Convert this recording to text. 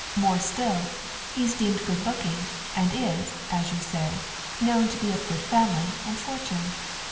More still; he's deemed good looking, and is, as you say; known to be of good family and fortune.